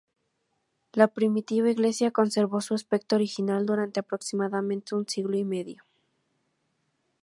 La primitiva iglesia conservó su aspecto original durante aproximadamente un siglo y medio.